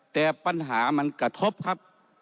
แต่ปัญหามันกระทบครับ